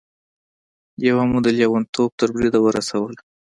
يوه مو د لېونتوب تر بريده ورسوله.